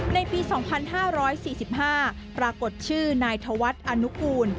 ในปี๒๕๔๕ปรากฏชื่อนายธวัฒน์อนุกูล